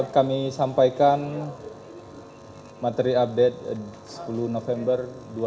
kami sampaikan materi update sepuluh november dua ribu dua puluh